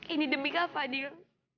ini demi kak fadlil